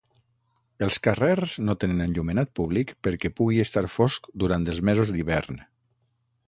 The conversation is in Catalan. Els carrers no tenen enllumenat públic perquè pugui estar fosc durant els mesos d'hivern.